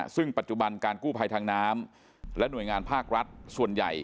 ซึ่งปัจจุบันการกู้ภัยทางน้ำและหน่วยงานภาครัฐส่วนใหญ่